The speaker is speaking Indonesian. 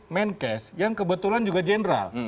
main case yang kebetulan juga general